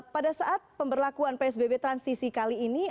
pada saat pemberlakuan psbb transisi kali ini